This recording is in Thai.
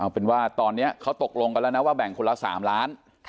เป็นว่าตอนนี้เขาตกลงกันแล้วนะว่าแบ่งคนละ๓ล้าน